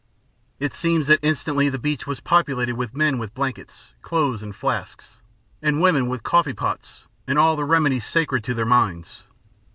It seems that instantly the beach was populated with men with blankets, clothes, and flasks, and women with coffeepots and all the remedies sacred to their minds.